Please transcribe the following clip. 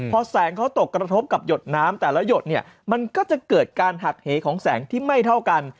พอแสงเขาตกกระทบกับหยดน้ำแต่ละหยดเนี่ยมันก็จะเกิดการหักเหของแสงที่ไม่เท่ากัน